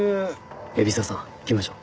海老沢さん行きましょう。